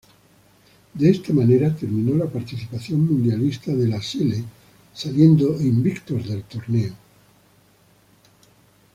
De esta manera, terminó la participación mundialista de la "Sele", saliendo invictos del torneo.